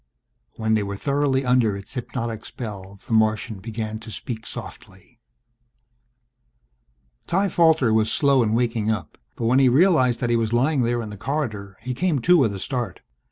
When they were thoroughly under its hypnotic spell the Martian began to speak softly ...Ty Falter was slow in waking up. But when he realized that he was lying there in the corridor he came to with a start.